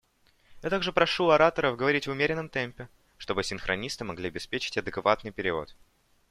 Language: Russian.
Я также прошу ораторов говорить в умеренном темпе, чтобы синхронисты могли обеспечить адекватный перевод.